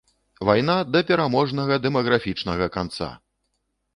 Вайна да пераможнага дэмаграфічнага канца!